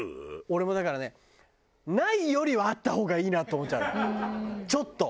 俺もだからねないよりはあった方がいいなと思っちゃうちょっと。